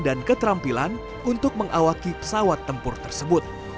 dan keterampilan untuk mengawaki pesawat tempur tersebut